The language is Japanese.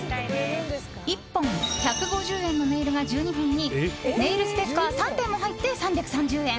１本１５０円のネイルが１２本にネイルステッカー３点も入って３３０円。